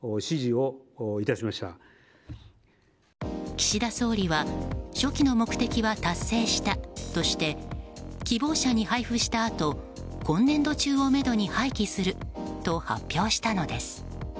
岸田総理は初期の目的は達成したとして希望者に配布したあと今年度中をめどに廃棄すると発表したのです。